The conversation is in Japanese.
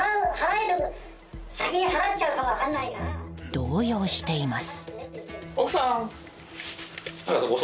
動揺しています。